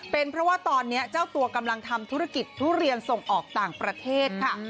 เป็นเพราะว่าตอนนี้เจ้าตัวกำลังทำธุรกิจทุเรียนส่งออกต่างประเทศค่ะ